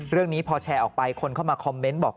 เรื่องนี้พอแชร์ออกไปคนเข้ามาคอมเมนต์บอก